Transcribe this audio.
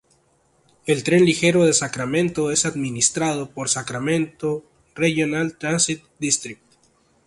El Tren Ligero de Sacramento es administrado por Sacramento Regional Transit District.